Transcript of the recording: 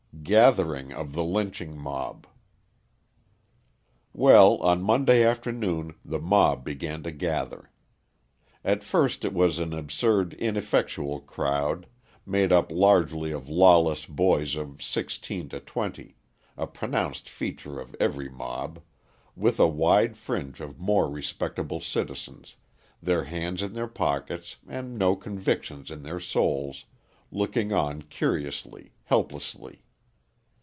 Gathering of the Lynching Mob Well, on Monday afternoon the mob began to gather. At first it was an absurd, ineffectual crowd, made up largely of lawless boys of sixteen to twenty a pronounced feature of every mob with a wide fringe of more respectable citizens, their hands in their pockets and no convictions in their souls, looking on curiously, helplessly.